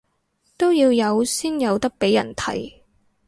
都要有先有得畀人睇